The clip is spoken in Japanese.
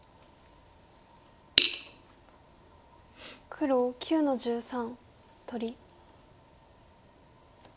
黒９の十三取り。